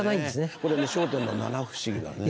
これもう『笑点』の七不思議だね。